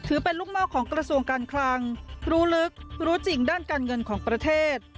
เป็นลูกหม้อของกระทรวงการคลังรู้ลึกรู้จริงด้านการเงินของประเทศ